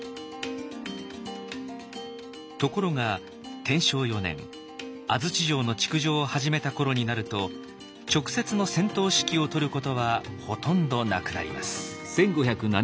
ところが天正４年安土城の築城を始めた頃になると直接の戦闘指揮をとることはほとんどなくなります。